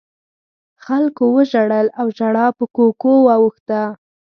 خلکو وژړل او ژړا په کوکو واوښته.